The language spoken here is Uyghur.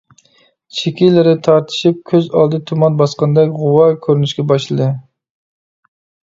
چېكىلىرى تارتىشىپ، كۆز ئالدى تۇمان باسقاندەك غۇۋا، كۆرۈنۈشكە باشلىدى.